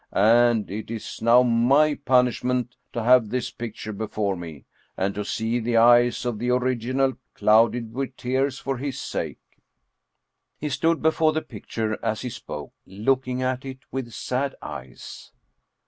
And it is now my punishment to have this picture before me, and to see the eyes of the original clouded with tears for his sake." He stood before the picture as he spoke, looking at it with sad eyes.